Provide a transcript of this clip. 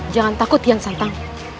jangan takut hukian santang